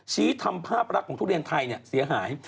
ชี้ทำภาพรักของทุเรียนไทยเสียหาย